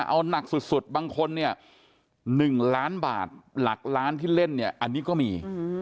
เอาหนักสุดบางคนเนี่ย๑ล้านบาทหลักล้านที่เล่นเนี่ยอันนี้ก็มี